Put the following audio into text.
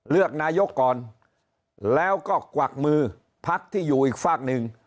เลือกนายกก่อนแล้วก็กวักมือพักที่อยู่อีกฝากหนึ่ง